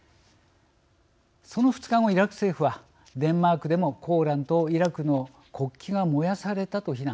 その２日後イラク政府はデンマークでも「コーラン」とイラクの国旗が燃やされたと非難。